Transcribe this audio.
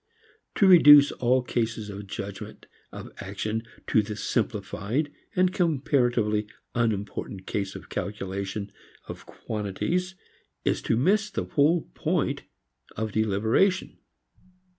To reduce all cases of judgment of action to this simplified and comparatively unimportant case of calculation of quantities, is to miss the whole point of deliberation.